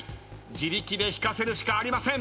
自力で引かせるしかありません。